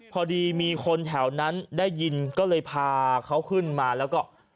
พอดีมีคนแถวนั้นได้ยินก็เลยพาเขาขึ้นมาแล้วก็